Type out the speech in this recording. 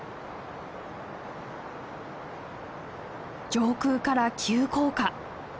上空から急降下！